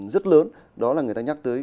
rất lớn đó là người ta nhắc tới